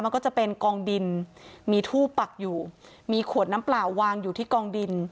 มันก็จะเป็นกองดินมีทูบปักอยู่มีขวดน้ำเปล่าวางอยู่ที่กองดิน